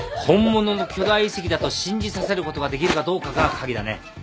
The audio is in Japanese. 本物の巨大遺跡だと信じさせることができるかどうかが鍵だね。